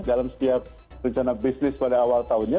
dalam setiap rencana bisnis pada awal tahunnya